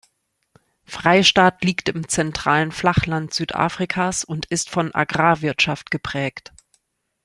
Freistaat liegt im zentralen Flachland Südafrikas und ist von Agrarwirtschaft geprägt.